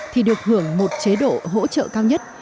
thì được hưởng một chế độ hỗ trợ cao nhất